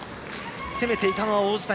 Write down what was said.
攻めていたのは王子谷。